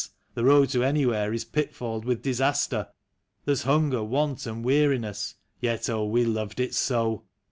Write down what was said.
the road to Anywhere is pitf ailed with disaster ; There's hunger, want, and weariness, yet we loved it so!